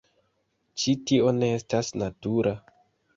Ĉi tio ne estas natura...